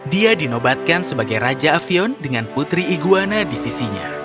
dia dinobatkan sebagai raja avion dengan putri iguana di sisinya